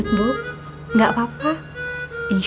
nggak ada karek